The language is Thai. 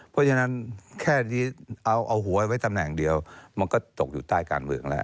เพราะฉะนั้นแค่นี้เอาหัวไว้ตำแหน่งเดียวมันก็ตกอยู่ใต้การเมืองแล้ว